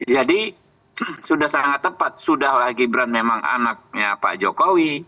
jadi sudah sangat tepat sudah lah gibran memang anak pak jokowi